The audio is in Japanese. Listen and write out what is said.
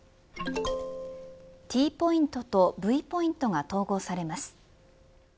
ＴポイントとＶポイントが統合されます。